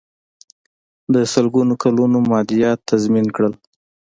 د سلګونو کلونو مادیات تضمین کړل.